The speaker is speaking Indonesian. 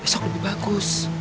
besok lebih bagus